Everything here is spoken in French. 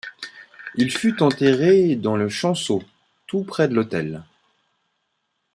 Il fut enterré dans le chanceau, tout près de l'autel.